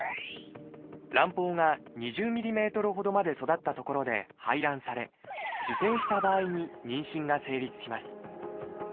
卵胞が２０ｍｍほどまで育ったところで排卵され受精した場合に妊娠が成立します。